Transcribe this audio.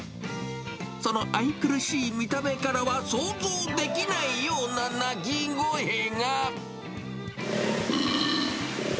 その愛くるしい見た目からは想像できないような鳴き声が。